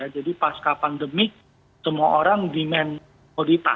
jadi pasca pandemik semua orang demand komoditas